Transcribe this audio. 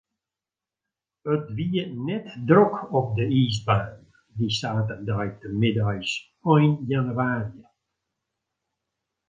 It wie net drok op de iisbaan, dy saterdeitemiddeis ein jannewaarje.